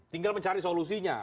tinggal mencari solusinya